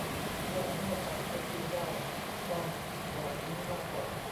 ให้อำนาจสั่งเคอร์ฟิวได้ ต้องบอกงี้มากกว่า